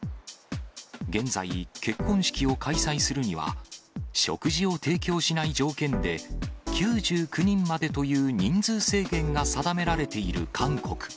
現在、結婚式を開催するには、食事を提供しない条件で、９９人までという人数制限が定められている韓国。